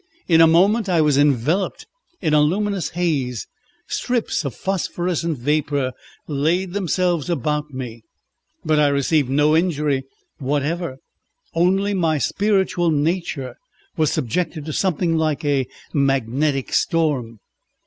In a moment I was enveloped in a luminous haze, strips of phosphorescent vapour laid themselves about me, but I received no injury whatever, only my spiritual nature was subjected to something like a magnetic storm.